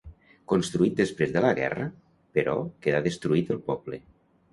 Construït després de la guerra però queda destruït el poble.